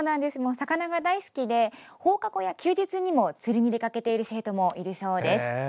魚が大好きで放課後や休日にも釣りに出かけている生徒もいるそうです。